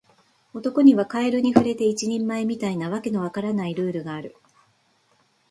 男にはカエルに触れて一人前、みたいな訳の分からないルールがある